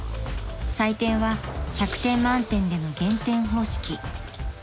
［採点は１００点満点での減点方式］